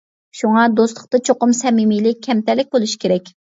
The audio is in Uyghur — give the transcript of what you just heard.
شۇڭا دوستلۇقتا چوقۇم سەمىمىيلىك، كەمتەرلىك بولۇشى كېرەك.